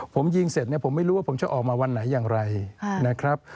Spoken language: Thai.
ผมยิงเสร็จเนี่ยผมไม่รู้ว่าผมจะออกมาวันไหนอย่างไรนะครับ